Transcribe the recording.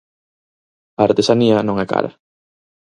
A artesanía non é cara.